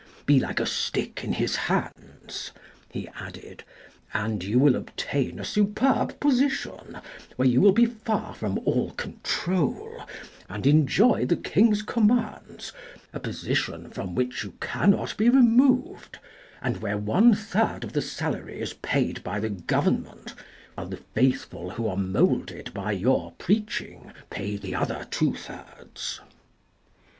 Be like a stick in his hands" he added, " and you will obtain a superb position, where you will be far from all control, and enjoy the King's commands, a position from which you cannot be removed, and where one third of the salary is paid by the Government, while the faithful who are moulded by your preaching pay the other two thirds."